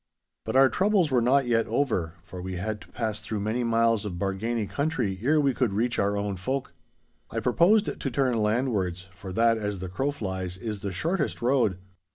But our troubles were not yet over, for we had to pass through many miles of Bargany country ere we could reach our own folk. I proposed to turn landwards, for that, as the crow flies, is the shortest road.